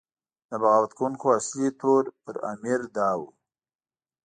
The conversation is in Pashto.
د بغاوت کوونکو اصلي تور پر امیر دا و.